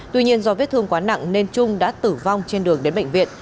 tuy nhiên do vết thương quá nặng nên trung đã tử vong trên đường đến bệnh viện